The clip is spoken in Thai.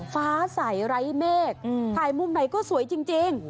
ฟ้าใสไร้เมฆถ่ายมุมไหนก็สวยจริง